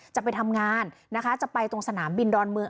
จะไปทำงานนะคะจะไปตรงสนามบินดอนเมือง